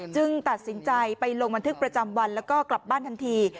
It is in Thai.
ตัดสินใจไปลงบันทึกประจำวันแล้วก็กลับบ้านทันที